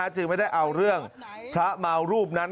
จึงไม่ได้เอาเรื่องพระเมารูปนั้น